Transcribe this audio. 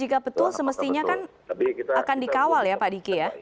itu semestinya kan akan dikawal ya pak diki ya